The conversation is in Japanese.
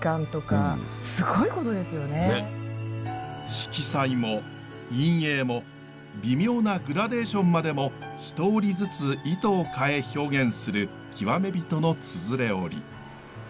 色彩も陰影も微妙なグラデーションまでも一織りずつ糸を変え表現する極め人の綴織。